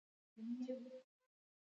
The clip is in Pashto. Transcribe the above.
ایا زه باید کاجو وخورم؟